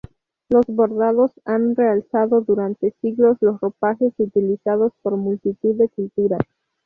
Los bordados han realzado durante siglos los ropajes utilizados por multitud de culturas.